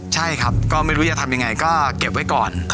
ใช่ครับก็ไม่รู้จะทำยังไงก็เก็บไว้ก่อน